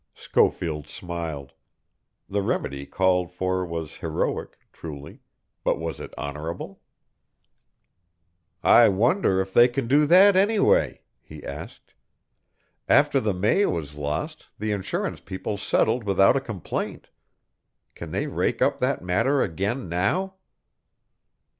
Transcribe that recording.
Schofield smiled. The remedy called for was heroic, truly; but was it honorable? "I wonder if they can do that, anyway?" he asked. "After the May was lost the insurance people settled without a complaint. Can they rake up that matter again now?"